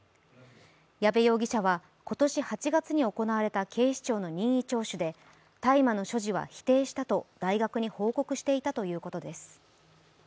矢部容疑者は今年８月に行われた警視庁の任意聴取で大麻の所持は否定したと大学に報告していたということです。